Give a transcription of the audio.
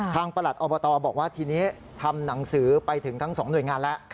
ประหลัดอบตบอกว่าทีนี้ทำหนังสือไปถึงทั้งสองหน่วยงานแล้ว